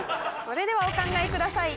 それではお考えください。